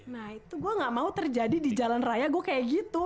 nah itu gue gak mau terjadi di jalan raya gue kayak gitu